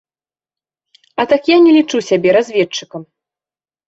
А так я не лічу сябе разведчыкам!